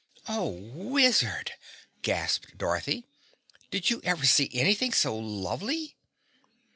"Oh, Wizard," gasped Dorothy, "did you ever see anything so lovely?"